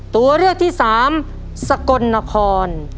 ตัวเลือกที่สามสกลนคร